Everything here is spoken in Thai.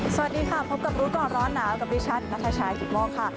สวัสดีค่ะพบกับรู้ก่อนร้อนหนาวกับดิฉันนัทชายกิตโมกค่ะ